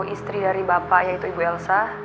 kalau istri dari bapak yaitu ibu elsa saya ingin mengetahui